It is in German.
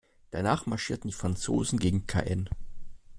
Danach marschierten die Franzosen gegen Caen.